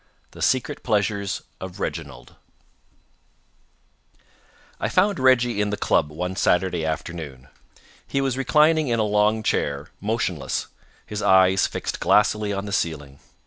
THE SECRET PLEASURES OF REGINALD I found Reggie in the club one Saturday afternoon. He was reclining in a long chair, motionless, his eyes fixed glassily on the ceiling.